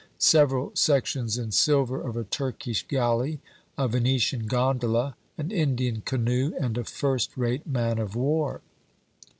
Several sections in silver of a Turkish galley, a Venetian gondola, an Indian canoe, and a first rate man of war.